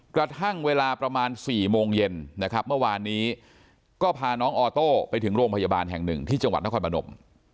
กระทั่งเวลาประมาณ๔โมงเย็นนะครับเมื่อวานนี้ก็พาน้องออโต้ไปถึงโรงพยาบาลแห่งหนึ่งที่จังหวัดนครพนม